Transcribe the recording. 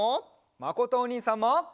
まことおにいさんも。